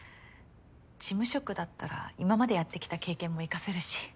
事務職だったら今までやってきた経験も生かせるし。